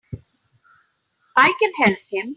I can help him!